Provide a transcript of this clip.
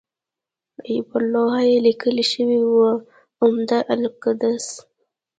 پر لوحه یې لیکل شوي وو اعمده القدس.